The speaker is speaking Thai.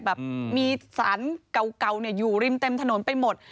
แบบมีสารเก่าอยู่ริมเต็มถนนไปหมด